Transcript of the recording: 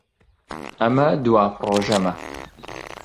ئەمە دوا پرۆژەمە.